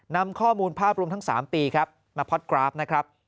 นำข้อมูลภาพรวมทั้ง๓ปีมาพอดกราฟต์